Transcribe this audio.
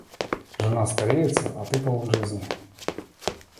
Жена стареется, а ты полн жизни.